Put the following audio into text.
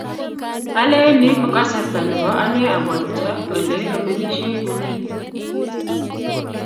alen ni ko kasarta nebo ane abwaitita ole amenishei kolel